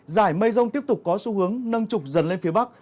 giải mây rông tiếp tục có xu hướng nâng trục dần lên phía bắc